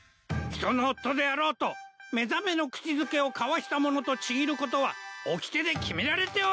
人の夫であろうと目覚めの口づけを交わした者と契ることはおきてで決められておる！